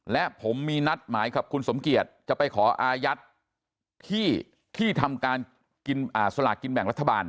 และผมมีนัดหมายกับคุณสมเกียจจะไปขออายัดที่ที่ทำการกินสลากกินแบ่งรัฐบาล